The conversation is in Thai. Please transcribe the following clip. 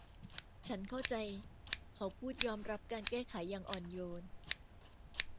ฉันเข้าใจเขาพูดยอมรับการแก้ไขอย่างอ่อนโยน